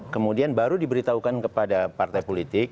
kemudian baru diberitahukan kepada partai politik